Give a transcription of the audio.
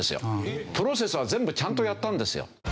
プロセスは全部ちゃんとやったんですよ。